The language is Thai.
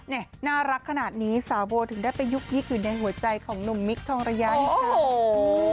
น่ารักขนาดนี้สาวโบถึงได้ไปยุกยิกอยู่ในหัวใจของหนุ่มมิคทองระยะอีกค่ะ